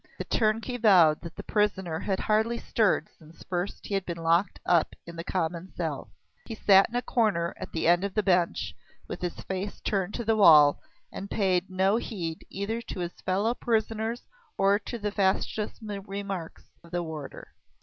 The turnkey vowed that the prisoner had hardly stirred since first he had been locked up in the common cell. He sat in a corner at the end of the bench, with his face turned to the wall, and paid no heed either to his fellow prisoners or to the facetious remarks of the warder.